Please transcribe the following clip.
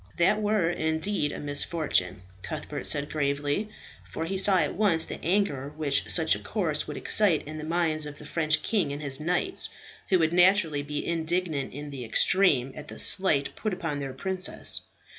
"That were indeed a misfortune," Cuthbert said gravely, for he saw at once the anger which such a course would excite in the minds of the French king and his knights, who would naturally be indignant in the extreme at the slight put upon their princess.